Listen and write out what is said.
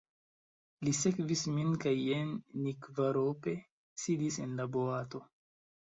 Li sekvis min kaj jen ni kvarope sidis en la boato.